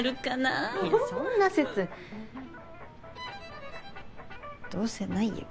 いやそんな説どうせ無いよ。